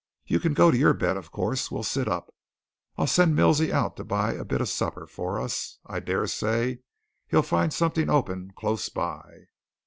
You can go to your bed, of course we'll sit up. I'll send Milsey out to buy a bit of supper for us I dare say he'll find something open close by."